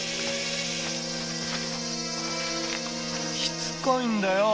しつこいんだよ。